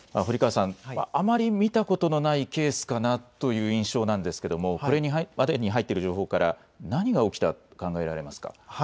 あまり見たことのないケースかなという印象なんですけれどもこれまでに入っている情報から何が起きたと考えられますか。